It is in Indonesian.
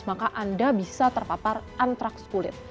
maka anda bisa terpapar antraks kulit